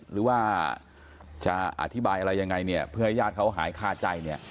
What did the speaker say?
หรือว่าจะอธิบายอะไรยังไงเนี่ยเพื่อให้ญาติเขาหายคาใจเนี่ย